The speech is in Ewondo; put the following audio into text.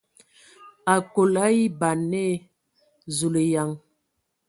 Akol a eban e ! Zulǝyaŋ!